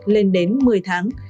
lên đến một mươi tháng